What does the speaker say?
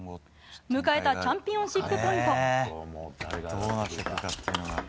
迎えたチャンピオンシップポイント。